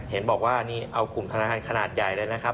เห็นบอกว่านี่เอากลุ่มธนาคารขนาดใหญ่เลยนะครับ